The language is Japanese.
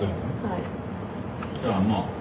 はい。